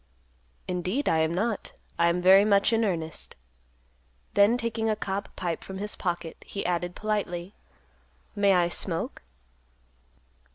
"Indeed, I am not; I am very much in earnest." Then, taking a cob pipe from his pocket, he added, politely, "May I smoke?"